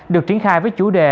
được triển khai với chủ đề